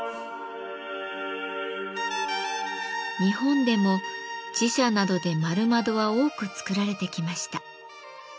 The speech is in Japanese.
日本でも寺社などで円窓は多く作られてきました。